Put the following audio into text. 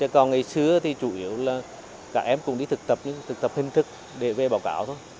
còn ngày xưa thì chủ yếu là các em cũng đi thực tập nhưng thực tập hình thức để về báo cáo thôi